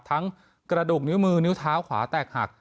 กระดูกนิ้วมือนิ้วเท้าขวาแตกหัก